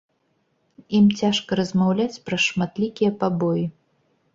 Ім цяжка размаўляць праз шматлікія пабоі.